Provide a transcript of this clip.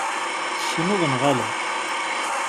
Tesneḍ neɣ ala?